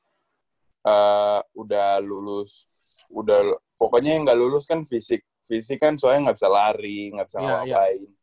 eee udah lulus udah pokoknya yang gak lulus kan fisik fisik kan soalnya gak bisa lari gak bisa ngapain